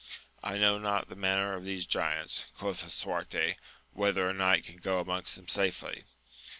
I know not the manner of these giants, quoth Lisuarte, whether a knight can go amongst them safely